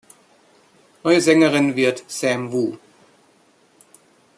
Neue Sängerin wird Sam Woo.